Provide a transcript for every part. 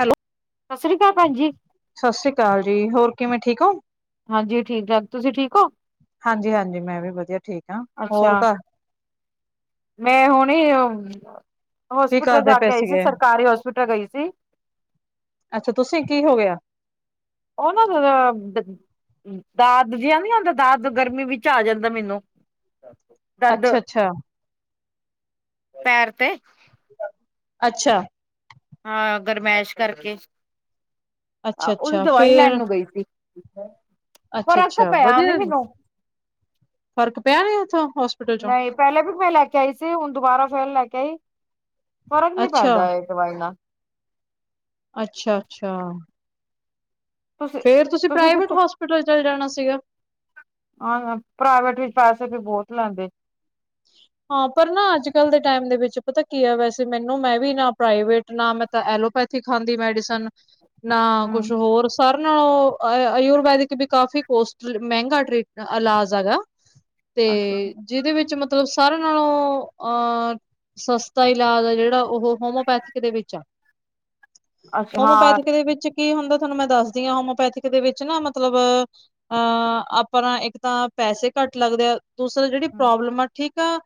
Hello ਸਤਿ ਸ਼੍ਰੀ ਅਕਾਲ, ਭੈਣਜੀ। ਸਤਿ ਸ੍ਰੀ ਅਕਾਲ ਜੀ, ਹੋਰ ਕਿਵੇਂ ਠੀਕ ਹੋ? ਹਾਂਜੀ ਠੀਕ ਠਾਕ, ਤੁਸੀਂ ਠੀਕ ਹੋ? ਹਾਂਜੀ ਹਾਂਜੀ, ਮੈਂ ਵੀ ਵਧੀਆ, ਠੀਕ ਹਾਂ ਹੋਰ ਅੱਛਾ ਘਰ? ਮੈਂ ਹੁਣੀ ਕੀ ਹੋਸਪਿਟਲ ਕਰਦੇ ਜਾ ਪਏ ਕੇ ਆਈ ਸੀ ਸੀਗੇ ਸਰਕਾਰੀ ਹੋਸਪਿਟਲ ਗਈ ਸੀ। ਅੱਛਾ ਤੁਸੀਂ ਕੀ ਹੋ ਗਿਆ? ਉਹ ਨਾ ਦਾ ਦਾਦ ਜਿਹਾ ਨੀ ਆਉਦਾ ਦਾਦ ਗਰਮੀ ਵਿੱਚ ਆ ਜਾਂਦਾ ਮੈਨੂੰ। ਦਰਦ ਅੱਛਾ ਅੱਛਾ ਪੈਰ ਤੇ। ਅੱਛਾ। ਹਾਂ, ਗਰਮੈਸ਼ ਕਰਕੇ, ਅੱਛਾ ਉਹਦੀ ਅੱਛਾ ਦਵਾਈ ਲੈਣ ਫੇਰ ਨੂੰ ਗਈ ਸੀ। ਅੱਛਾ ਫਰਕ ਤਾਂ ਅੱਛਾ ਪਿਆ ਨੀ ਮੈਨੂੰ। ਫਰਕ ਪਿਆ ਕਿ ਉੱਥੋਂ ਹਾਸਪੀਟਲ। ਨਹੀਂ ਪਹਿਲੇ ਵੀ ਮੈਂ ਲੈ ਕੇ ਆਈ ਸੀ ਹੁਣ ਦੁਬਾਰਾ ਫੇਰ ਲੈ ਕੇ ਆਈ ਫਰਕ ਨੀ ਅੱਛਾ ਪੈਂਦਾ ਏ। ਦਵਾਈ ਨਾਲ ਅੱਛਾ ਅੱਛਾ ਤੁਸੀਂ ਫੇਰ ਤੁਸੀਂ ਪ੍ਰਾਈਵੇਟ ਕਿੱਥੇ ਹੋਸਪਿਟਲ ਚਲੇ ਜਾਣਾ ਸੀਗਾ। ਹਾਂ ਪ੍ਰਾਈਵੇਟ ਵਿੱਚ ਪੈਸੇ ਵੀ ਬਹੁਤ ਲੈਂਦੇ। ਅੱਛਾ ਹਾਂ ਪਰ ਨਾ ਅੱਜ ਕੱਲ ਦੇ ਟਾਈਮ ਦੇ ਵਿੱਚ ਪਤਾ ਕੀ ਹੈ ਵੈਸੇ ਮੈਨੂੰ ਮੈਂ ਵੀ ਨਾ ਪ੍ਰਾਈਵੇਟ ਨਾ ਮੈਂ ਤਾਂ ਐਲੋਪੈਥਿਕ। ਐਲੋਪੈਥਿਕ ਖਾਂਦੀ ਮੈਡੀਸਨ ਨਾ ਹਮ ਕੁਛ ਹੋਰ ਸਰ। ਨਾ ਉਹ ਆਯੁ ਆਯੁਰਵੈਦਿਕ ਵੀ ਕਾਫੀ ਕੋਸਟ ਮਹਿੰਗਾ ਟ੍ਰੀਟ ਇਲਾਜ ਹੈਗਾ। ਤੇ ਅੱਛਾ ਜੀ। ਜਿਹਦੇ ਵਿੱਚ ਮਤਲਬ ਸਾਰਿਆਂ ਨਾਲੋਂ ਅਹ। ਸਸਤਾ ਇਲਾਜ ਆ ਜਿਹੜਾ ਉਹ ਹੋਮਓਪੈਥਿਕ ਦੇ ਵਿੱਚ ਆ। ਅੱਛਾ ਹਾਂ ਹੋਮੋਪੈਥਿਕ ਦੇ ਵਿੱਚ। ਕੀ ਹੁੰਦਾ ਤੁਹਾਨੂੰ ਮੈਂ ਦੱਸਦੀ ਹਾਂ ਹੋਮੋਪੈਥਿਕ ਦੇ ਵਿੱਚ ਨਾ ਮਤਲਬ। ਅਹ ਆਪਣਾ ਇੱਕ ਤਾਂ ਪੈਸੇ ਘੱਟ ਲੱਗਦੇ ਆ। ਦੂਸਰੇ ਜਿਹੜੀ ਪ੍ਰੋਬਲਮ ਆ ਠੀਕ ਆ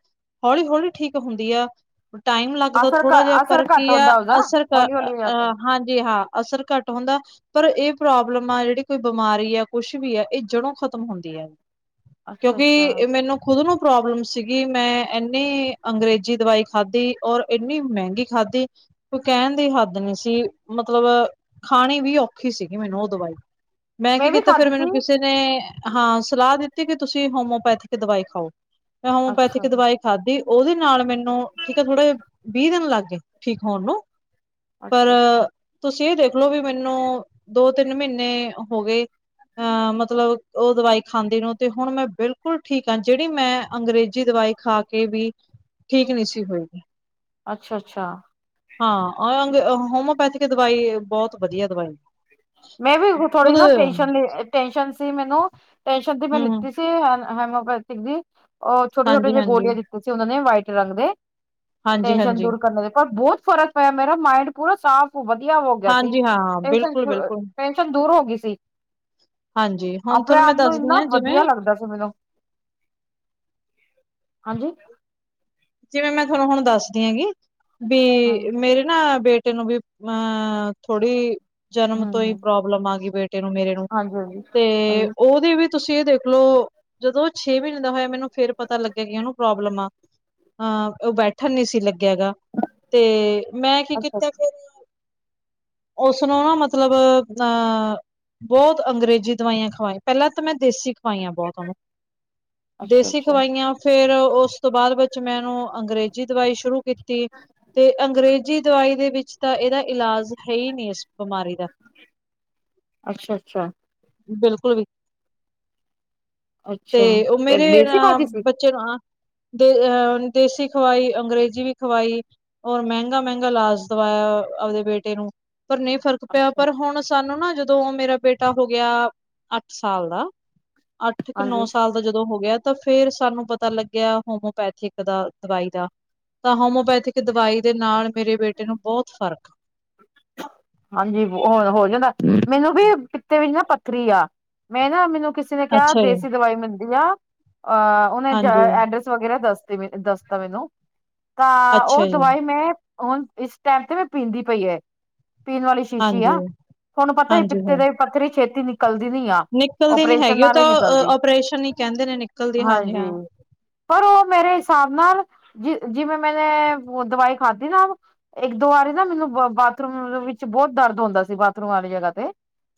ਹੌਲੀ ਹੌਲੀ ਠੀਕ ਹੁੰਦੀ ਆ। ਟਾਈਮ ਲੱਗਦਾ ਅਸਰ ਘ ਥੋੜਾ ਜਿਹਾ ਅਸਰ ਪਰ ਘੱਟ ਕੀ ਆ ਹੁੰਦਾ ਉਹਦਾ ਅਸਰ ਕਰ ਹੌਲੀ ਹੌਲੀ ਅਸਰ ਹਾਂਜੀ ਹਾਂ। ਅਸਰ ਘੱਟ ਘੱਟ ਹੁੰਦਾ ਪਰ ਇਹ ਪ੍ਰੋਬਲਮ ਆ ਜਿਹੜੀ ਕੋਈ ਬਿਮਾਰੀ ਆ ਕੁਛ ਵੀ ਆ। ਇਹ ਜੜੋਂ ਖਤਮ ਹੁੰਦੀ ਹੈ। ਅੱਛਾ ਅੱਛਾ। ਕਿਉਂਕਿ ਮੈਨੂੰ ਖੁਦ ਨੂੰ ਪ੍ਰੋਬਲਮ ਸੀ। ਕਿ ਮੈਂ ਇੰਨੀ ਅੰਗਰੇਜ਼ੀ ਦਵਾਈ ਖਾਧੀ ਔਰ ਇੰਨੀ ਮਹਿੰਗੀ ਖਾਧੀ। ਕੋਈ ਕਹਿਣ ਦੀ ਹੱਦ ਨਹੀਂ ਸੀ ਮਤਲਬ। ਖਾਣੀ ਵੀ ਔਖੀ ਸੀਗੀ ਮੈਨੂੰ ਉਹ ਦਵਾਈ। ਮੈਂ ਕੀ ਵੀ ਕੀਤਾ ਫੇਰ ਖਾਧੀ ਮੈਨੂੰ ਸੀ। ਕਿਸੇ ਨੇ ਹਾਂ ਸਲਾਹ ਦਿੱਤੀ ਕਿ ਤੁਸੀਂ ਹੋਮਓਪੈਥਿਕ ਦਵਾਈ ਖਾਓ। ਮੈਂ ਅੱਛਾ ਹੋਮੋਪੈਥਿਕ ਦਵਾਈ ਖਾਧੀ ਉਹਦੇ ਨਾਲ ਮੈਨੂੰ ਠੀਕ ਹੈ ਥੋੜੇ ਜਿਹੇ ਵੀਹ ਦਿਨ ਲੱਗ ਗਏ। ਠੀਕ ਹੋਣ ਨੂੰ ਪਰ ਅੱਛਾ ਅੱਛਾ। ਤੁਸੀਂ ਇਹ ਦੇਖਲੋ ਵੀ ਮੈਨੂੰ ਦੋ ਤਿੰਨ ਮਹੀਨੇ ਹੋ ਗਏ ਅਹ ਮਤਲਬ ਉਹ ਦਵਾਈ ਖਾਂਦੇ ਨੂੰ ਤੇ ਹੁਣ ਮੈਂ ਬਿਲਕੁਲ ਬਿਲਕੁਲ ਠੀਕ ਆ ਜਿਹੜੀ ਮੈਂ ਅੰਗਰੇਜ਼ੀ ਦਵਾਈ ਖਾ ਕੇ ਵੀ ਠੀਕ ਨਹੀਂ ਸੀ ਹੋਈ ਅੱਛਾ ਅੱਛਾ ਹਾਂ ਆ ਹੋਮਓਪੈਥੀਿਕ ਦਵਾਈ ਬਹੁਤ ਵਧੀਆ ਦਵਾਈ ਮੈਂ ਵੀ ਥੋੜੀ ਖੁਦ ਨਾ ਟੈਸ਼ਨ ਲੀ ਟੈਸ਼ਨ ਸੀ ਮੈਨੂੰ ਟੈਸ਼ਨ ਦੀ ਮੈਂ ਹਮ ਲਿੱਤੀ ਸੀ। ਹੈਮਿਓਪੈਥਿਕ ਦੀ ਉਹ ਛੋਟੇ ਛੋਟੇ ਹਾਂਜੀ ਜਿਹੇ ਹਾਂਜੀ ਗੋਲੀਆਂ ਦਿੱਤੇ ਸੀ ਉਹਨਾਂ ਨੇ ਵਾਈਟ ਰੰਗ ਦੇ ਹਾਂਜੀ ਟੈਸ਼ਨ ਹਾਂਜੀ ਦੂਰ ਕਰਨ ਦੇ ਪਰ ਬਹੁਤ ਫਰਕ ਪਿਆ ਮੇਰਾ ਮਾਈੰਡ ਪੂਰਾ ਸਾਫ਼ ਵਧੀਆ ਹੋ ਗਿਆ ਸੀ ਹਾਂਜੀ ਹਾਂ ਟੈਨਸ਼ਨ ਬਿਲਕੁਲ ਬਿਲਕੁਲ ਟੈਨਸ਼ਨ ਦੂਰ ਹੋ ਗਈ ਸੀ ਹਾਂਜੀ ਹੁਣ ਆਪਣੇ ਤੁਹਾਨੂੰ ਮੈਂ ਆਪ ਨੂੰ ਦੱਸਦੀ ਇੰਨਾ ਹਾਂ ਜਿਵੇਂ ਵਧੀਆ ਲੱਗਦਾ ਸੀ ਮੈਨੂੰ ਹਾਂਜੀ ਜਿਵੇਂ ਮੈਂ ਤੁਹਾਨੂੰ ਹੁਣ ਦੱਸਦੀ ਹੈਗੀ ਵੀ ਹਾਂਜੀ। ਮੇਰੇ ਨਾ ਬੇਟੇ ਨੂੰ ਵੀ ਅ ਥੋੜ੍ਹੀ ਜਨਮ ਹੂੰ ਤੋਂ ਹੀ ਹੂੰ। ਪ੍ਰੋਬਲਮ ਆ ਗਈ ਬੇਟੇ ਨੂੰ ਮੇਰੇ ਨੂੰ ਹਾਂਜੀ-ਹਾਂਜੀ, ਤੇ ਹਾਂਜੀ ਹਾਂਜੀ ਉਹ ਉਹ ਵੀ ਤੁਸੀਂ ਇਹ ਦੇਖਲੋ ਜਦੋਂ ਛੇ ਮਹੀਨੇ ਦਾ ਹੋਇਆ ਮੈਨੂੰ ਫੇਰ ਪਤਾ ਲੱਗਿਆ ਕਿ ਇਹਨੂੰ ਪ੍ਰੋਬਲਮ ਆ ਅਹ ਉਹ ਬੈਠਣ ਨੀ ਸੀ ਲੱਗਿਆ ਗਾ ਤੇ ਮੈਂ ਕੀ ਅੱਛਾ, ਕੀਤਾ ਫੇਰ ਉਸਨੂੰ ਨਾ ਮਤਲਬ ਅਹ ਬਹੁਤ ਅੰਗਰੇਜ਼ੀ ਦਵਾਈਆਂ ਖਵਾਈਆਂ ਪਹਿਲਾਂ ਤਾਂ ਮੈਂ ਦੇਸੀ ਖਵਾਈਆਂ ਬਹੁਤ ਦੇਸੀ ਅੱਛਾ-ਅੱਛਾ, ਖਵਾਈਆਂ ਫੇਰ ਉਸ ਤੋਂ ਬਾਅਦ ਚ ਮੈ ਉਨੂੰ ਅੰਗਰੇਜ਼ੀ ਦਵਾਈ ਸ਼ੁਰੂ ਕੀਤੀ ਤੇ ਅੰਗਰੇਜ਼ੀ ਦਵਾਈ ਦੇ ਵਿੱਚ ਤਾਂ ਇਹਦਾ ਇਲਾਜ ਹੈ ਹੀ ਨਹੀਂ ਇਸ ਬਿਮਾਰੀ ਦਾ [inaudible] ਅੱਛਾ ਅੱਛਾ ਬਿਲਕੁਲ ਵੀ ਤੇ ਅੱਛਾ ਉਹ ਮੇਰੇ ਫੇਰ ਨਾ ਦੇਸੀ ਖਾਦੀ ਸੀ [unintelligible] ਅਹ ਦੇਸੀ ਖਵਾਈ ਅੰਗਰੇਜ਼ੀ ਵੀ ਖਵਾਈ ਔਰ ਮਹਿੰਗਾ -ਮਹਿੰਗਾ ਇਲਾਜ ਦਵਾਇਆ ਆਪਦੇ ਬੇਟੇ ਨੂੰ ਪਰ ਨਹੀਂ ਫਰਕ ਪਿਆ ਅੱਛਾ ਪਰ ਹੁਣ ਸਾਨੂੰ ਨਾ ਜਦੋਂ ਮੇਰਾ ਬੇਟਾ ਹੋ ਗਿਆ ਅੱਠ ਸਾਲ ਦਾ ਅੱਠ ਕੁ ਨੌ ਹਾਂਜੀ। ਸਾਲ ਦਾ ਜਦੋਂ ਹੋ ਗਿਆ ਤਾਂ ਫੇਰ ਸਾਨੂੰ ਪਤਾ ਲੱਗਿਆ ਹੋਮੋ ਪੇਥਿਕ ਦਾ ਦਵਾਈ ਦਾ ਤਾਂ ਹੋਮਓਪੈਥਿਕ ਦਵਾਈ ਦੇ ਨਾਲ ਮੇਰੇ ਬੇਟੇ ਨੂੰ ਬਹੁਤ ਫ਼ਰਕ ਹਾਂਜੀ-ਹਣ ਹੋ ਜਾਂਦਾ ਮੈਨੂੰ ਵੀ ਪਿਤੇ ਵਿੱਚ ਨਾ ਪੱਥਰੀ ਆ ਮੈਂ ਨਾ ਮੈਨੂੰ ਕਿਸੀ ਨੇ ਕਿਹਾ ਅੱਛਾ ਜੀ। ਦੇਸੀ ਦਵਾਈ ਮਿਲਦੀ ਆ, ਅਹ ਉਹਨੇ ਹਾਂਜੀ, ਐਡਰਸ ਵਗੈਰਾ ਦੱਸਦੀ ਦੱਸਤਾ ਮੈਨੂੰ ਤਾਂ ਉਹ ਅੱਛਾ ਜੀ, ਦਵਾਈ ਮੈਂ ਹੁਣ ਇਸ ਟਾਈਮ ਤੇ ਮੈਂ ਪੀਂਦੀ ਪਈ ਹੈ ਪੀਨ ਵਾਲੀ ਸ਼ੀਸ਼ੀ ਆ, ਹਾਂਜੀ, ਤੁਹਾਨੂੰ ਪਤਾ ਹੀ ਹਾਂਜੀ ਪਿੱਤੇ ਹੈ। ਦੇ ਪੱਥਰੀ ਛੇਤੀ ਨ ਨਿਕਲਦੀ ਨੀ ਆ, ਨਿਕਲਦੀ ਨੀ ਓਪਰੇਸ਼ਨ ਹੈਗੀ ਉਹ ਨਾਲ ਤਾਂ ਹੀ ਅ ਨਿਕਲਦੀ ਓਪਰੇਸ਼ਨ ਹੀ ਕਹਿੰਦੇ ਨੇ ਨਿਕਲਦੀ ਹਾਂਜੀ ਹਾਂ। ਪਰ ਉਹ ਮੇਰੇ ਹਿਸਾਬ ਨਾਲ ਜ ਜਿਵੇਂ ਮੈਨੇ ਦਵਾਈ ਖਾਧੀ ਨਾ ਇੱਕ ਦੋ ਵਾਰੀ ਨਾ ਮੈਨੂੰ ਬਾਥਰੂਮ ਵਿੱਚ ਬਹੁਤ ਦਰਦ ਹੁੰਦਾ ਸੀ, ਬਾਥਰੂਮ ਵਾਲੀ ਜਗ੍ਹਾ ਤੇ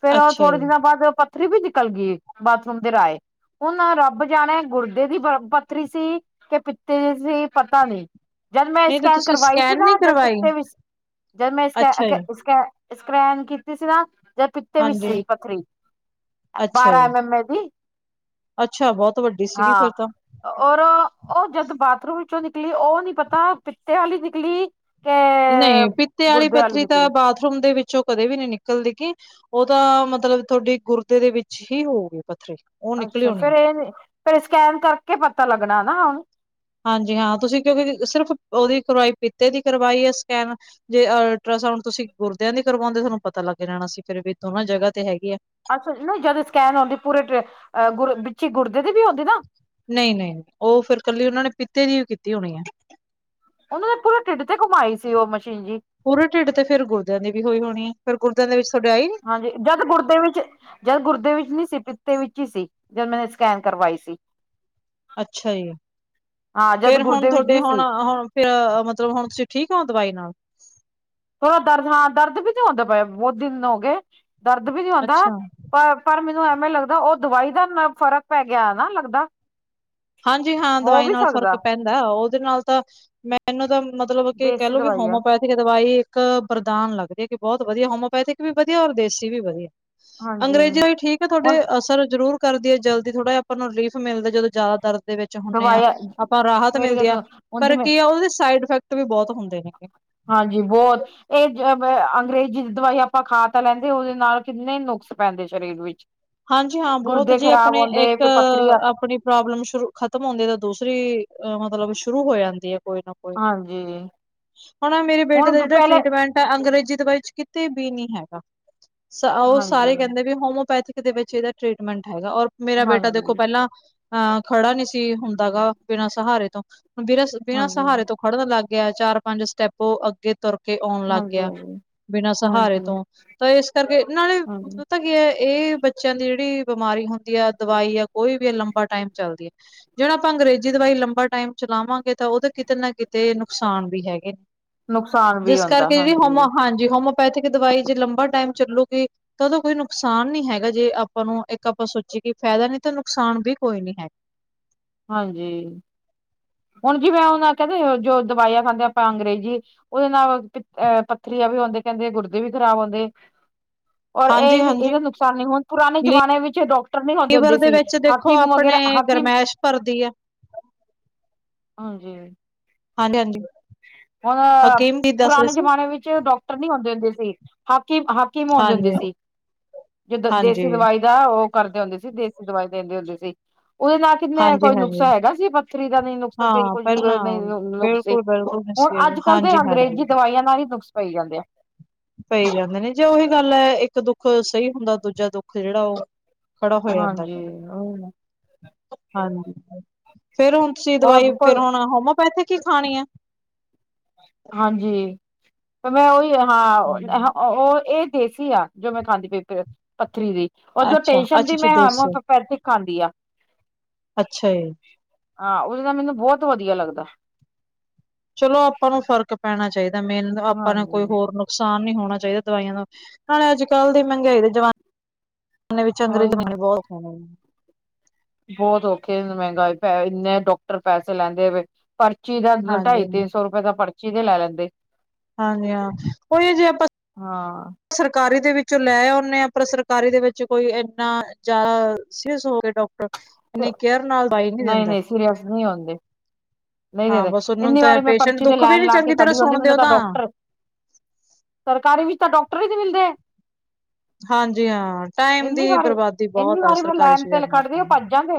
ਫੇਰ ਅੱਛਾ ਥੋੜੇ ਜੀ, ਦਿਨਾਂ ਬਾਅਦ ਪਥਰੀ ਵੀ ਨਿਕਲ ਗਈ, ਬਾਥਰੂਮ ਦੇ ਰਾਏ ਹੁਨ ਔ ਰੱਬ ਜਾਨੇ ਗੁਰਦੇ ਦੀ ਪੱਥਰੀ ਸੀ ਕਿ ਪਿੱਤੇ ਦੀ ਸੀ ਪਤਾ ਨਹੀਂ ਜਦ ਮੈਂ ਨਹੀਂ ਤੇ ਸਕੈਨ ਤੁਸੀਂ ਕਰਵਾਈ ਸਕੈਨ ਨੀ ਸੀਗਾ, ਜਦ ਕਰਵਾਈ? ਪਿਤੇ ਵਿਚ ਅੱਛਾ ਜੀ, ਸਕੈ ਸਕੈ੍ਨ ਕੀਤੀ ਸੀ ਨਾ ਜਾਂ ਪਿੱਤੇ ਵਿੱਚ ਹਾਂਜੀ, ਸੀ ਪੱਖਰੀ ਅੱਛਾ ਬਾਰਾਂ ਜੀ, ਐਮ ਐਮ ਏ ਦੀ ਅੱਛਾ ਬਹੁਤ ਵੱਡੀ ਸੀਗੀ ਹਾਂ ਫੇਰ ਤਾਂ ਔਰ ਉਹ ਜਦ ਬਾਥਰੂਮ ਵਿੱਚੋਂ ਨਿਕਲੀ ਉਹ ਨੀ ਪਤਾ ਪਿੱਤੇ ਵਾਲੀ ਨਿਕਲੀ ਕੇ ਨਹੀਂ ਪਿੱਤੇ ਆਲੀ ਗੁਰਦੇ ਵਾਲੀ ਪੱਥਰੀ ਤਾਂ ਨਿਕਲੀ ਬਾਥਰੂਮ ਦੇ ਵਿੱਚ ਜੋ ਕਦੇ ਵੀ ਨਹੀਂ ਨਿਕਲ ਦੀਗੀ ਉਹ ਤਾਂ ਮਤਲਬ ਤੁਹਾਡੀ ਗੁਰਦੇ ਦੇ ਵਿੱਚ ਹੀ ਹੋਊਗੀ ਪੱਥਰੀ ਉਹ ਅੱਛਾ ਨਿਕਲਿਓ ਨੀ। ਫੇਰ ਇਹ ਫੇਰ ਸਕੈਨ ਕਰਕੇ ਪਤਾ ਲੱਗਣਾ ਨਾ ਹੁਣ ਹਾਂਜੀ ਹਾਂ ਤੁਸੀਂ ਕਿਉਂਕਿ ਸਿਰਫ ਉਹਦੀ ਕਰਵਾਈ ਪਿਤੇ ਦੀ ਕਰਵਾਈ ਹੈ ਸਕੈਨ ਜੇ ਅਲਟਰਾਸਾਊਂਡ ਤੁਸੀਂ ਗੁਰਦਿਆਂ ਦੀ ਕਰਵਾਉਂਦੇ ਤੁਹਾਨੂੰ ਪਤਾ ਲੱਗ ਜਾਣਾ ਸੀ ਫਿਰ ਵੀ ਦੋਨਾਂ ਜਗ੍ਹਾ ਤੇ ਹੈਗੀ ਆ ਅੱਛਾ ਨਹੀਂ ਜਦ ਸਕੈਨ ਆਉਂਦੀ ਪੂਰੇ ਵਿੱਚ ਗੁਰਦੇ ਦੀ ਵੀ ਹੁੰਦੀ ਨਾ ਨਹੀਂ -ਨਹੀਂ ਉਹ ਫੇਰ ਇਕੱਲੀ ਉਹਨਾਂ ਨੇ ਪਿਤੇ ਦੀ ੳ ਕੀਤੀ ਹੋਣੀ ਹੈ ਉਹਨਾਂ ਨੇ ਪੂਰੇ ਢਿੱਡ ਤੇ ਘੁਮਾਈ ਸੀ ਉਹ ਮਸ਼ੀਨ ਜੀ ਪੂਰੇ ਢਿੱਡ ਤੇ ਫਿਰ ਗੁਰਦਿਆਂ ਦੀ ਵੀ ਹੋਈ ਹੋਣੀ ਫਿਰ ਗੁਰਦਿਆਂ ਦੇ ਵਿੱਚ ਤੁਹਾਡੇ ਆਈ ਨੀ? ਹਾਂਜੀ, ਜਦ ਗੁਰਦੇ ਵਿੱਚ ਜਦ ਗੁਰਦੇ ਵਿੱਚ ਨੀ ਸੀ, ਪਿੱਤੇ ਵਿੱਚ ਹੀ ਸੀ ਜਦ ਮੈਨੇ ਸਕੈਨ ਕਰਵਾਈ ਸੀ ਅੱਛਾ ਜੀ ਹਾਂ ਜਦ ਫੇਰ ਹੁਣ ਗੁਰਦੇ ਵਿੱਚ ਤੁਹਾਡੇ ਨਹੀਂ ਸੀ ਹੁਣ -ਹੁਣ ਫੇਰ ਮਤਲਬ ਹੁਣ ਤੁਸੀਂ ਠੀਕ ਹੋ, ਦਵਾਈ ਨਾਲ ਥੋੜਾ ਦਰਦ ਹਾ ਘੋੜੇ ਦਰਦ ਵੀ ਨੀ ਆਉਂਦਾ ਪਏ ਬਹੁਤ ਦਿਨ ਹੋ ਗਏ ਦਰਦ ਵੀ ਨੀ ਆਉਂਦਾ [unintelligible] ਅੱਛਾ। ਪਰ ਪਰ ਮੈਨੂੰ ਏਵੇਂ ਲੱਗਦਾ ਉਹ ਦਵਾਈ ਦਾ ਨਾ ਫ਼ਰਕ ਪੈ ਗਿਆ ਨਾ ਲੱਗਦਾ ਹਾਂਜੀ ਹਾਂ ਹੋ ਦਵਾਈ ਵੀ ਨਾਲ ਸਕਦਾ ਫ਼ਰਕ ਪੈਂਦਾ, ਉਹਦੇ ਨਾਲ ਤਾਂ ਮੈਂ ਮੈਂਨੂੰ ਤਾਂ ਮਤਲਬ ਕਿ ਕਹਿ ਦੇਸੀ ਲੋ ਵੀ ਦਵਾਈ ਆ ਹੋਮਪੈਥ ਦਵਾਈ ਇੱਕ ਬਰਦਾਨ ਲੱਗਦੀ ਹੈ ਕਿ ਬਹੁਤ ਵਧੀਆ ਹੋਮਓਪੈਥਿਕ ਵੀ ਵਧੀਆ, ਔਰ ਦੇਸੀ ਵੀ ਵਧੀਆ ਹਾਂਜੀ ਅੰਗਰੇਜ਼ੀ ਠੀਕ ਆ ਹੁਣ ਤੁਹਾਡੇ ਅਸਰ ਜ਼ਰੂਰ ਕਰਦੀ ਹੈ ਜਲਦੀ ਥੋੜ੍ਹਾ ਜਿਹਾ ਆਪਾਂ ਨੂੰ ਰਿਲੀਫ ਮਿਲਦਾ ਜਦੋਂ ਜ਼ ਦਰਦ ਦੇ ਵਿੱਚ ਹੁੰਦੇ ਹਾ ਦਵਾਈਆਂ ਆਪਾਂ ਰਾਹਤ ਮੇਰੀ ਗੱਲ ਮਿਲਦੀ ਆ ਸੁਣ ਹੁਣ ਪਰ ਜਿਵੇਂ ਕੀ ਆ ਉਹਦੇ ਸਾਈਡ ਇਫੈਕਟ ਤੇ ਵੀ ਬਹੁਤ ਹੁੰਦੇ ਨੇਗੇ ਹਾਂਜੀ ਬਹੁਤ ਇਹ ਅੰਗਰੇਜ਼ ਦਵਾਈ ਆਪਾਂ ਖਾ ਤਾਂ ਲੈਂਦੇ, ਉਹਦੇ ਨਾਲ ਕਿੰਨੇ ਨੁਕਸ ਪੈਂਦੇ ਸ਼ਰੀਰ ਵਿੱਚ ਹਾਂਜੀ ਹਾਂ ਬਹੁਤ ਗੁਰਦੇ ਜੇ ਖ਼ਰਾਬ ਆਪਣੇ ਹੁੰਦੇ ਇੱਕ ਫਿਰ ਪੱਥਰੀਆਂ ਆਪਣੀ ਪ੍ਰੋਬਲਮ ਸ਼ੁਰੂ ਖਤਮ ਹੁੰਦੀ ਹੈ ਤਾਂ ਦੂਸਰੀ ਮਤਲਬ ਸ਼ੁਰੂ ਹੋ ਜਾਂਦੀ ਏ ਕੋਈ ਨਾ ਕੋਈ, ਹਾਂਜੀ ਹੁਨ ਮੇਰੇ ਬੇਟੇ ਦਾ ਹੁਣ ਜਿਹੜਾ ਪਹਿਲੇ ਟ੍ਰੀਟਮੈਂਟ ਅੰਗਰੇਜ਼ੀ ਦਵਾਈ ਚ ਕਿਤੇ ਵੀ ਨਹੀਂ ਹੈਗਾ, ਉਹ ਸਾਰੇ ਹਾਂਜੀ ਕਹਿੰਦੇ ਵੀ ਹੋਮਓਪੈਥੀ ਦੇ ਵਿੱਚ ਇਹਦਾ ਟ੍ਰਰੀਟਮੈਂਟ ਹੈਗਾ, ਔਰ ਮੇਰਾ ਬੇਟਾ ਦੇਖੋ ਹਾਂਜੀ ਪਹਿਲਾਂ ਹਾ ਖੜਾ ਨਹੀਂ ਸੀ ਹੁੰਦਾ ਹੇਗਾ ਬਿਨਾਂ ਸਹਾਰੇ ਤੋਂ ਬਿਨਾਂ ਬਿਨਾਂ ਸਹਾਰੇ ਹਾਂਜੀ ਤੋਂ ਖੜਨ ਲੱਗ ਗਿਆ ਚਾਰ ਪੰਜ ਸਟੈਪੋ ਅੱਗੇ ਤੁਰ ਕੇ ਆਉਣ ਲੱਗ ਗਿਆ ਹਾਂਜੀ ਬਿਨਾ ਹਾਂਜੀ ਸਹਾਰੇ ਹਾਂਜੀ ਤੋਂ ਤਾਂ ਇਸ ਕਰਕੇ ਨਾਲੇ ਹਾਂਜੀ ਪਤਾ ਪਤਾ ਕੀ ਹੈ ਇਹ ਬੱਚਿਆਂ ਦੀ ਜਿਹੜੀ ਬਮਾਰੀ ਹੁੰਦੀ ਏ ਦਵਾਈ ਆ ਕੋਈ ਵੀ ਹੈ ਲੰਬਾ ਟਾਈਮ ਚੱਲਦੀ ਹੈ। ਜਿਹੜਾ ਆਪਾਂ ਅੰਗਰੇਜ਼ੀ ਦਵਾਈ ਲੰਬਾ ਟਾਈਮ ਚਲਾਵਾਂਗੇ ਤਾਂ ਉਹਦੇ ਕਿਤੇ ਨਾ ਕਿਤੇ ਨੁਕਸਾਨ ਵੀ ਹੈਗੇ ਨੇ। ਨੁਕਸਾਨ ਵੀ ਜਿਸ ਹੁੰਦਾ ਕਰਕੇ ਜਿਹੜੀ ਹੋਮੋ ਹਾਂਜੀ ਹਾਂਜੀ ਹੋਮੋ ਹੋਮੋਪੈਥਿਕ ਦਵਾਈ ਜੇ ਲੰਬਾ ਟਾਈਮ ਚੱਲੂਗੀ ਤਾਂ ਉਹਦਾ ਕੋਈ ਨੁਕਸਾਨ ਨੀ ਹੈ ਹੈਗਾ ਜੇ ਆਪਾਂ ਨੂੰ ਇੱਕ ਆਪਾਂ ਸੋਚੀਏ ਕਿ ਫਾਇਦਾ ਨੀ ਤੇ ਨੁਕਸਾਨ ਵੀ ਕੋਈ ਨੀ ਹੈ। ਹਾਂਜੀ ਹੁਨ ਜਿਵੇੈਂ ਉਹਨਾਂ ਆਖਿਆ ਸੀ ਜੋ ਦਵਾਈਆਂ ਖਾਂਦੇ ਆਪਾਂ ਅੰਗਰੇਜ਼ੀ ਉਹਦੇ ਨਾਲ ਅ ਪੱਥਰੀਆਂ ਵੀ ਹੁੰਦੇ ਕਹਿੰਦੇ ਗੁਰਦੇ ਵੀ ਖਰਾਬ ਹੁੰਦੇ। [inaudible] [inaudible] ਔਰ ਇਹ ਹਾਂਜੀ-ਹਾਂਜੀ ਇਹਦਾ ਨੁਕਸਾਨ ਨਹੀ ਹੋਨ ਪੁਰਾਣੇ ਜਮਾਨੇ ਵਿੱਚ ਡਾਕਟਰ ਨਹੀਂ ਹਉੁੰਦੇ ਲੀਵਰ ਹੁੰਦੇ ਦੇ ਸੀ ਵਿੱਚ ਦੇਖੋ ਹਾਕੀਮ ਆਪਣੇ ਵਗੈਰਾ ਹ ਗਰਮੈਸ਼ ਭਰਦੀ ਏ ਹਾਂਜੀ ਹਾਂਜੀ ਹਾਂਜੀ ਹ [inaudible] [inaudible] ਪੁਰਾਣੇ ਜਮਾਨੇ ਵਿੱਚ ਡਾਕਟਰ ਨਹੀਂ ਹੁੰਦੇ ਹੁੰਦੇ ਸੀ ਹਾਕੀਮ ਹਾਕੀਮ ਹੋਂਦੇ ਹੋਂਦੇ ਹਾਂਜੀ। ਸੀ। ਜਿਦ ਦੇਸੀ ਹਾਂਜੀ, ਦਵਾਈ ਦਾ ਉਹ ਕਰਦੇ ਹੁੰਦੇ ਸੀ, ਦੇਸੀ ਦਵਾਈ ਦੇਂਦੇ ਹੁੰਦੇ ਸੀ, ਉਹਦੇ ਨਾਲ ਕਿੰਨਾ ਕੋਈ ਹਾਂਜੀ-ਹਾਂਜੀ ਨੁਕਸਾ ਹੈਗਾ ਸੀ, ਪੱਥਰੀ ਦਾ ਨਹੀਂ ਨੁਕਸਾ ਸੀ, ਹਾਂ ਕੋਈ ਪਹਿਲਾਂ ਨਹੀਂ ਨੁਕਸ ਸੀ [unintelligible] [inaudible] [inaudible] ਹੁਣ ਅੱਜ ਕੱਲ੍ਹ ਦੇ ਹਾਂਜੀ-ਹਾਂਜੀ ਅੰਗਰੇਜ਼ੀ ਦਵਾਈਆਂ ਨਾਲ ਹੀ ਨੁਕਸ ਪਈ ਜਾਂਦੇ ਆ ਪਏ ਜਾਂਦੇ ਨੇ ਜੇ ਉਹੀ ਗੱਲ ਹੈ, ਇੱਕ ਦੁੱਖ ਸਹੀ ਹੁੰਦਾ, ਦੂਜਾ ਦੁੱਖ ਜਿਹੜਾ ਉਹ ਖੜਾ ਹੋ ਜਾਂਦਾ ਹਾਂਜੀ ਨਾ ਹਾਂਜੀ ਫੇਰ ਹੁਣ ਤੁਸੀਂ ਦਵਾਈ ਹੋਰ ਫਿਰ ਕੋਈ ਹੁਣ ਹੋਮਓਪੈਥਿਕ ਹੀ ਖਾਣੀ ਹੈ? ਹਾਂਜੀ ਤੇ ਮੈਂ ਉਹੀ ਹਾਂ ਹੂੰ। ਉਹ ਇਹ ਦੇਸੀ ਆ ਜੋ ਮੈਂ ਖਾਂਦੀ ਪਈ ਪੱਥਰੀ ਦੀ ਉਹ ਜੋ ਅੱਛਾ, ਟੇਨਸ਼ਨ ਦੀ ਅੱਛਾ-ਅੱਛਾ ਮੈਂ ਦੇਸੀ ਹੋਮੋਕਪੈਥੀਕ ਖਾਂਦੀ ਆ। ਅੱਛਾ ਜੀ। ਹਾਂ ਓਹਨਾ ਦਾ ਮੈਨੂੰ ਬਹੁਤ ਵਧੀਆ ਲੱਗਦਾ। ਚਲੋ ਆਪਾਂ ਨੂੰ ਫ਼ਰਕ ਪੈਣਾ ਚਾਹੀਦਾ ਮੇਨ ਆਪਾਂ ਨੇ ਕੋਈ ਹਾਂਜੀ ਹੋਰ ਨੂੰ ਨੁਕਸਾਨ ਨਹੀਂ ਹੋਣਾ ਚਾਹੀਦਾ ਦਵਾਈਆਂ ਦਾ ਨਾਲੇ ਅੱਜ ਕੱਲ੍ਹ ਦੀ ਮਹਿੰਗਾਈ ਦੇ ਜਮਾਨੇ ੇ ਵਿੱਚ ਅੰਗਰੇਜ਼ ਉਹੀ ਨਾ। ਨਾਣੇ ਬਹੁਤ ਸੋਣੇ ਨੇ [unintelligible] ਬਹੁਤ ਔਖੇ ਮਹਿੰਗਾਈ ਇੰਨੇ ਡਾਕਟਰ ਪੈਸੇ ਲੈਂਦੇ ਵੇ ਪਰਚੀ ਦਾ ਢਾਈ ਹਾਂਜੀ, ਤਿੰਨ ਸੌ ਰੁਪਏ ਤਾਂ ਪਰਚੀ ਦੇ ਲੈ ਲੈਂਦੇ। ਹਾਂਜੀ ਹਾਂ ਉਹੀ ਜੇ ਆਪਾਂ ਹਾਂ ਸਰਕਾਰੀ ਦੇ ਵਿੱਚੋਂ ਲੈ ਆਉਨੇ ਹਾਂ ਪਰ ਸਰਕਾਰੀ ਦੇ ਵਿੱਚ ਕੋਈ ਇੰਨਾ ਜ਼ਿਆਦਾ ਸੀਰਿਯਸ ਹੋਵੇ ਡਾਕਟਰ ਇੰਨੀ ਕੇਅਰ ਨਾਲ ਦਵਾਈ ਨੀ ਨਹੀਂ ਦਿੰਦਾ। ਨਹੀਂ ਸੀਰੀਅਸ ਨਹੀਂ ਹੁੰਦੇ। ਨਹੀਂ ਹਾਂ ਨਹੀਂ ਬਸ ਉਹਨੂੰ ਇੰਨੀ ਤਾਂ ਵਾਰੀ ਮੈਂ ਪੇਸ਼ੈਂਟ ਪਰਚੀ ਤੇ ਦੁੱਖ ਵੀ ਲੈਨ ਨੀ ਲਾ ਕੇ ਚੰਗੀ ਤਰ੍ਹਾਂ ਖੜੀ ਹੁੰਂਦੀ ਸੁਣਦੇ ਮੈਨੂੰ ਉਹ ਤਾਂ ਡਾਕਟਰ ਸਰਕਾਰੀ ਵਿੱਚ ਤਾਂ ਡਾਕਟਰ ਹੀ ਨ ਮਿਲਦੇ। ਹਾਂਜੀ ਹਾਂ ਟਾਈਮ ਇੰਨੀ ਦੀ ਵਾਰੀ ਬਰਬਾਦੀ ਬਹੁਤ ਆ ਸਰਕਾਰੀ ਛ ਜਾਣੇ ਆ ਤਾਂ। ਜਾਂਦੇ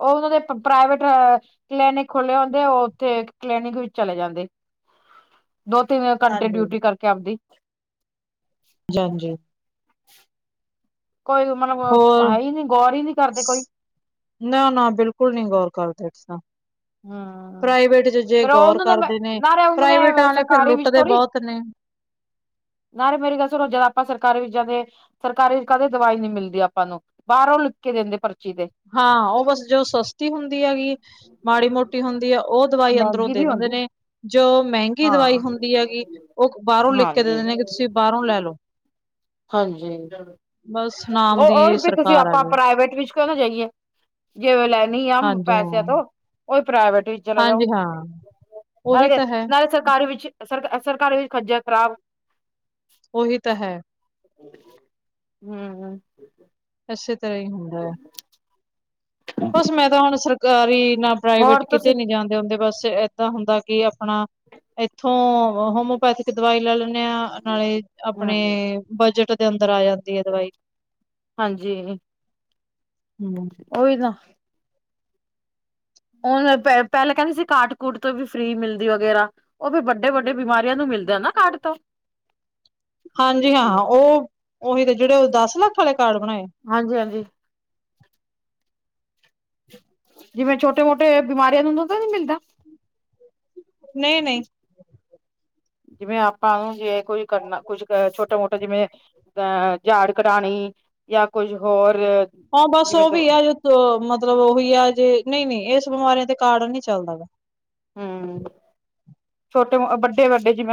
ਉਹ ਉਹਨਾਂ ਦੇ ਪ੍ਰਾਈਵੇਟ ਅ ਕਲੀਨਿਕ ਖੁੱਲ੍ਹੇ ਹੁੰਦੇ ਉਹ ਉੱਥੇ ਕਲੀਨਿਕ ਵਿੱਚ ਚਲੇ ਜਾਂਦੇ। [inaudible] ਦੋ ਤਿੰਨ ਘੰਟੇ ਹਾਂਜੀ। ਡਿਊਟੀ ਕਰਕੇ ਆਪਦੀ। ਜੀ ਹਾਂਜੀ ਕੋਈ ਮਤਲਬ ਹੋਰ ਹੈ ਈ ਨੀ ਗੌਰ ਹੀ ਨਹੀਂ ਕਰਦੇ ਕੋਈ। ਨਾ ਨਾ ਬਿਲਕੁਲ ਨੀ ਗੌਰ ਕਰਦੇ ਅਸੀ ਤਾਂ। ਹਮ ਪ੍ਰਾਈਵੇਟ ਚ ਜੇ ਫੇਰ ਉਹ ਗੌਰ ਉਹਨਾਂ ਕਰਦੇ ਨੇ ਨਾਲੇ ਉਹਨਾਂ ਪ੍ਰਾਈਵੇਟਾ ਨੇ ਆਲੇ ਫਿਰ ਸਰਕਾਰੀ ਵਿੱਚ ਲੁੱਟਦੇ ਬਹੁਤ ਨੇ। ਹ [inaudible] ਨਾਰੇ ਮੇਰੀ ਗੱਲ ਸੁੋ ਜਿਆਦਾ ਆਪਾਂ ਸਰਕਾਰ ਵਿੱਚ ਜਾਂਦੇ ਸਰਕਾਰੀ ਕਦੇ ਦਵਾਈ ਨੀ ਮਿਲਦੀ ਆਪਾਂ ਨੂੰ ਬਾਹਰੋਂ ਲਿਖ ਕੇ ਦਿੰਦੇ ਪਰਚੀ ਤੇ ਹਾਂ ਉਹ ਬਸ ਜੋ ਸਸਤੀ ਹੁੰਦੀ ਹੈਗੀ ਮਾੜੀ ਮੋਟੀ ਹੁੰਦੀ ਹੈ। ਉਹ ਦਵਾਈ ਅੰਦਰੋਂ ਮਹਿੰਗੀ ਦੇ ਵੀ ਦਿੰਦੇ ਹੁੰਦੀ ਨੇ ਜੋ ਮਹਿੰਗੀ ਦਵਾਈ ਹੁੰਦੀ ਹੈਗੀ ਹਾਂ ਉਹ ਬਾਹਰੋਂ ਲਿਖ ਕੇ ਹਾਂਜੀ ਦਿੰਦੇ ਨੇ ਕਿ ਤੁਸੀਂ ਬਾਹਰੋਂ ਲੈ ਲਓ ਹਾਂਜੀ ਬਸ ਨਾਮ ਦੀ ਉਹ ਹੀ ਤੁਸੀ ਸਰਕਾਰ ਆ ਆਪਾਂ ਗਈ, ਪ੍ਰਾਈਵੇਟ ਵਿਚ ਕਿਉ ਨਾ ਜਾਈਏ ਜਿਵੇ ਲੈਣੀ ਆ ਹਾਂਜੀ ਹਾਂ, ਪੈਸਿਆਂ ਤੋਂ ਉਹੀ ਪ੍ਰਾਈਵੇਟ ਵਿਚ- ਚਲੇ ਜਾਓ ਹਾਂਜੀ ਹਾਂ, ਉਹੀ ਨਾਲੇ ਤਾਂ ਹੈ, ਨਾਲੇ ਸਰਕਾਰੀ ਵਿਚ ਸਰ ਸਰਕਾਰੀ ਵਿਚ ਖੱਜਲ ਖਰਾਬ ਉਹੀ ਤਾਂ ਹੈ। ਹੂੰ - ਅੇਸੇ ਤਰ੍ਹਾਂ ਹੀ ਹੁੰਦਾ ਹੈ। ਬਸ ਮੈਂ ਤਾਂ ਹੁਣ ਸਰਕਾਰੀ ਨਾ ਹੋਰ ਪ੍ਰਾਈਵੇਟ ਤੁਸੀਂ ਕਿਤੇ ਨਹੀ ਜਾਦੇ ਹੁੰਦੇ ਬਸ ਇਏਦਾਂ ਹੁੰਦਾ ਕਿ ਆਪਣਾ ਇਥੋਂ ਹ- ਥਿਕ ਦਵਾਈ ਲੈ ਲੈਂਦੇ ਹਾਂ ਨਾਲੇ ਆਪਣੇ ਹੂੰ ਬਜਟ ਦੇ ਅੰਦਰ ਆ ਜਾਂਦੇ ਦੀ ਦਵਾਈ ਹਾਂਜੀ ਹੂੰ - ਉਹੀ ਨਾ- ਉਹ ਪਹਿਲਾਂ ਕਹਿਦੇ ਸੀ ਕਾਟ ਕੂਟ ਤੋਂ ਵੀ ਫ੍ਰਰੀ ਮਿਲਦੀ ਵਗੈਰਾ ਉਹ ਵੀ ਵੱਡੇ- ਵੱਡੇ ਬਿਮਾਰੀਆਂ ਨੂੰ ਮਿਲਦੇ ਨਾ ਕਾਡ ਤੋਂ ਹਾਂਜੀ ਹਾਂ ਉਹ ਉਹੀ ਤੇ ਜਿਹੜੇ ਉਹ ਦਸ ਲੱਖ ਆਲੇ ਕਾਰਡ ਬਣਾਏ? ਹਾਂਜੀ ਹਾਂਜੀ ਜਿਵੇਂ ਛੋਟੇ ਮੋਟੇ ਬਿਮਾਰੀਆਂ ਨੂੰ ਨਾ ਤੇ ਨੀ ਮਿਲਦਾ? ਨਹੀ ਨਹੀ ਜਿਵੇਂ ਆਪਾਂ ਨੂੰ ਜੇ ਕੋਈ ਕਰਨਾ ਕੁਛ ਛੋਟਾ ਮੋਟਾ ਜਿਵੇਂ ਜਿਦਾ ਝਾੜ ਕਢਾਉਣੀ ਜਾਂ ਕੁਝ ਹੋਰ ਹਾਂ ਬਸ ਜਿਵੇਂ ਉਹ ਵੀ ਆ ਜ ਮਤਲਬ ਉਹੀ ਆ ਜੇ ਨਹੀ- ਨਹੀ ਇਸ ਬਿਮਾਰੀਆਂ ਦੇ ਕਾਰਨ ਨਹੀ ਚੱਲਦਾ ਵਾ ਹਮ ਛੋਟੇ ਵੱਡੇ- ਵੱਡੇ ਜਿਵੇ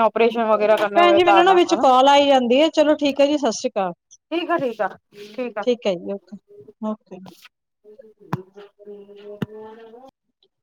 ਭੈਣ ਜੀ ਮੈਨੂੰ ਨਾ ਵਿਚ ਕਾਲ ਆਈ ਜਾਂਦੀ ਹੈ। ਚਲੋ ਠੀਕ ਹੈ ਜੀ ਸਤਿ ਸ੍ਰੀ ਅਕਾਲ। ਠੀਕ ਆ ਠੀਕ ਆ ਠੀਕ ਆ- ਹੈ ਜੀ ਓਕੇ ਓਕੇ [inaudible]